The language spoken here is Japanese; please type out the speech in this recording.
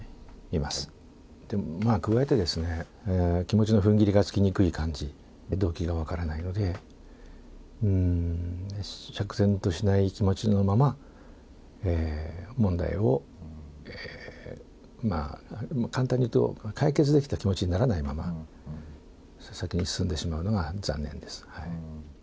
まあ、加えてですね、気持ちのふんぎりがつきにくい感じ、動機が分からないので釈然としない気持ちのまま、問題を、簡単にいうと解決できた気持ちにならないまま、先に進んでしまうのが残念です。